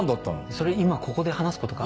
それ今ここで話すことか？